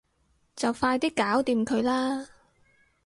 就快啲搞掂佢啦